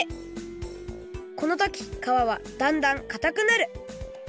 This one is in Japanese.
このときかわはだんだんかたくなる。